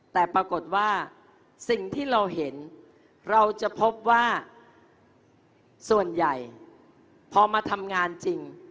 แต่ปรากฏว่าสิ่งที่เราเห็นเราจะพบว่าส่วนใหญ่พอมาทำงานจริง